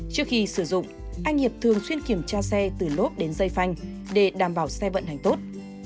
trước khi sử dụng anh hiệp thường xuyên kiểm tra xe từ lốp đến dây phanh để đảm bảo xe vận hành tốt